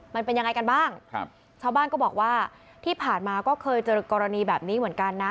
มันเป็นยังไงกันบ้างครับชาวบ้านก็บอกว่าที่ผ่านมาก็เคยเจอกรณีแบบนี้เหมือนกันนะ